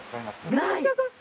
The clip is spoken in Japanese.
電車がさ